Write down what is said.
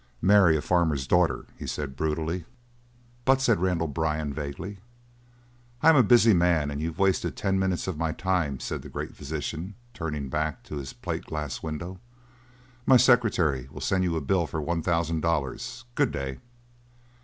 "Marry a farmer's daughter," he said brutally. "But," said Randall Byrne vaguely. "I am a busy man and you've wasted ten minutes of my time," said the great physician, turning back to his plate glass window. "My secretary will send you a bill for one thousand dollars. Good day."